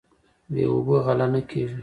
بې اوبو غله نه کیږي.